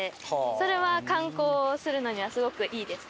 それは観光するのにはすごくいいです。